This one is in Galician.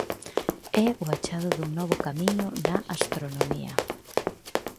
É o achado dun novo camiño na astronomía.